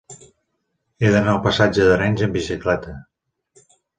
He d'anar al passatge d'Arenys amb bicicleta.